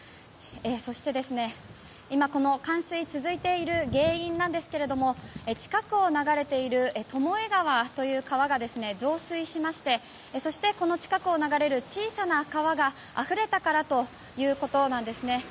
そして、今冠水が続いている原因なんですが近くを流れている巴川という川が増水しましてそしてこの近くを流れる小さな川があふれたからということなんです。